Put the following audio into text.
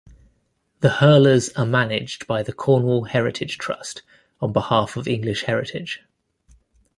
The Hurlers are managed by the Cornwall Heritage Trust on behalf of English Heritage.